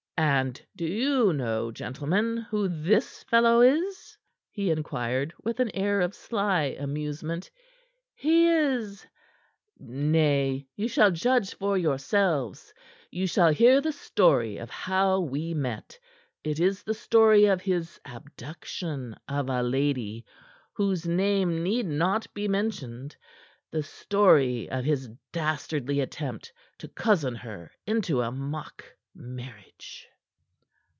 "And do you know, gentlemen, who this fellow is?" he inquired, with an air of sly amusement. "He is Nay, you shall judge for yourselves. You shall hear the story of how we met; it is the story of his abduction of a lady whose name need not be mentioned; the story of his dastardly attempt to cozen her into a mock marriage."